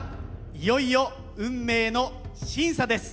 いよいよ運命の審査です。